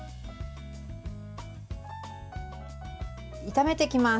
炒めていきます。